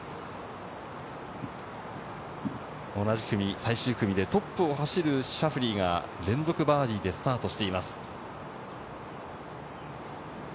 同じ組、最終組でトップを走るシャフリーが連続バーディーでスタートしています。